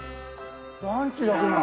ランチだけなの。